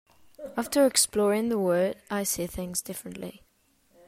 After exploring the world I see things differently.